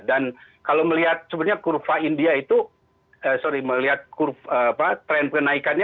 dan kalau melihat sebenarnya kurva india itu sorry melihat tren penaikannya